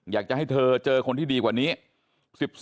อยากจะให้เธอเจอคนที่ดีกว่านี้